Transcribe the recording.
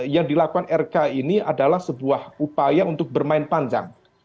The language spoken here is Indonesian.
yang dilakukan rk ini adalah sebuah upaya untuk bermain panjang